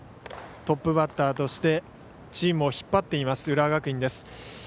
トップバッターとしてチームを引っ張っています浦和学院です。